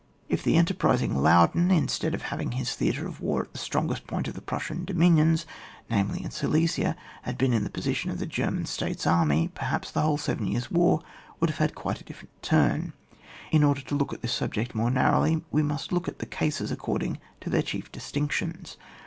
If the enterprising Laudon, instead of having his theatre of war at the strongest point of the Prussian domin ions, namely, in Silesia, had been in the position of the German States' army, perhaps the whole Seven Years' War would have had quite a different turn. In order to examine this subject more narrowly, we must look at the cases ac cording to their chief distinctions.